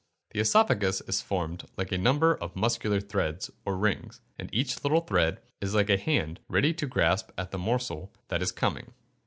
The oesophagus is formed of a number of muscular threads, or rings, and each little thread is like a hand ready to grasp at the morsel that is coming.